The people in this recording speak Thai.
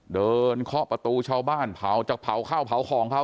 เคาะประตูชาวบ้านเผาจากเผาข้าวเผาของเขา